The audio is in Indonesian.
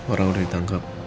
orang udah ditangkap